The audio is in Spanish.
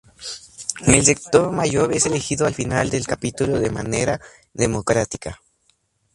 El Rector Mayor es elegido al final del Capítulo de manera democrática.